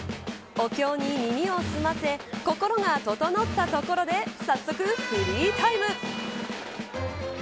お経に耳を澄ませ心が整ったところで早速フリータイム。